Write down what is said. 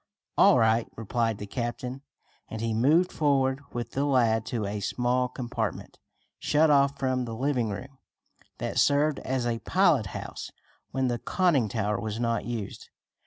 "All right," replied the captain, and he moved forward with the lad to a small compartment, shut off from the living room, that served as a pilot house when the conning tower was not used.